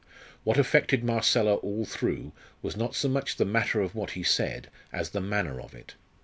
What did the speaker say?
What affected Marcella all through was not so much the matter of what he said, as the manner of it.